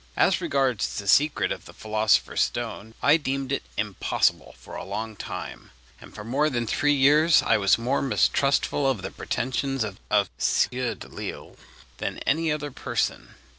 As regards the secret of the philosopher's stone, I deemed it impossible, for a long time; and for more than three years I was more mistrustful of the pretensions of this Sieur Delisle than of any other person.